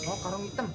oh karung hitam